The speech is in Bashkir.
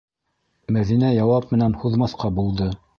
Мәҙинә яуап менән һуҙмаҫҡа булды: